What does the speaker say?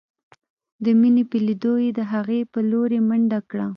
د مينې په ليدو يې د هغې په لورې منډه کړه.